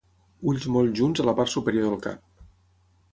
Ulls molt junts a la part superior del cap.